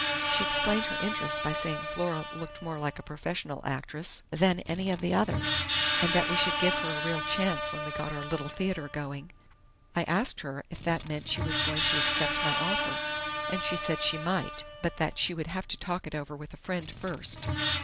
"She explained her interest by saying Flora looked more like a professional actress than any of the others, and that we should give her a real chance when we got our Little Theater going. I asked her if that meant she was going to accept my offer, and she said she might, but that she would have to talk it over with a friend first.